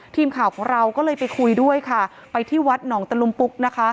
ทีมข่าวของเราก็เลยไปคุยด้วยค่ะไปที่วัดหนองตะลุมปุ๊กนะคะ